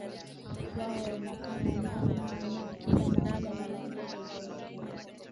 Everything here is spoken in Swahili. wao na kama na na na kila mahala wanaongozwa zaidi